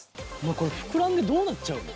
これ膨らんでどうなっちゃうの？